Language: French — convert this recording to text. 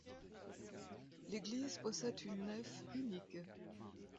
L'église possède une nef unique.